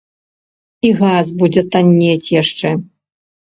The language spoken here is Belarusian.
І газ будзе таннець яшчэ.